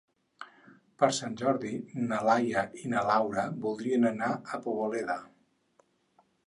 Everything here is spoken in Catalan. Per Sant Jordi na Laia i na Laura voldrien anar a Poboleda.